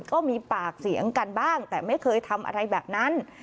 ก็มีปากเสียงกันบ้างแต่ไม่เคยทำอะไรแบบนั้น